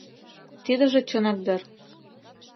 Тидыже чынак дыр.